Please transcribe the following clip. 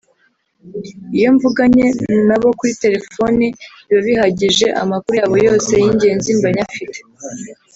Iyo mvuganye na bo kuri telefoni biba bihagije amakuru yabo yose y’ingenzi mba nyafite